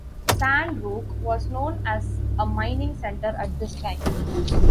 San Roque was known as a mining center at this time.